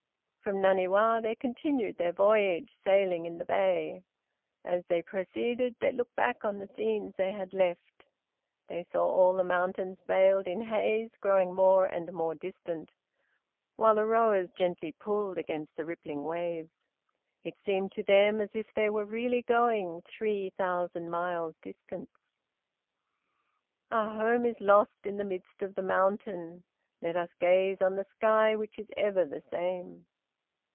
From Naniwa they continued their voyage, sailing in the bay. As they proceeded they looked back on the scenes they had left. They saw all the mountains veiled in haze, growing more and more distant, while the rowers gently pulled against the rippling waves. It seemed to them as if they were really going "three thousand miles' distance." "Our home is lost in the mist of the mountain, Let us gaze on the sky which is ever the same."